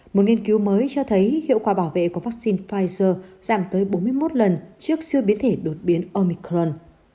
một nghiên cứu mới cho thấy hiệu quả bảo vệ của vaccine pfizer giảm tới bốn mươi một lần trước siêu biến thể đột biến omicron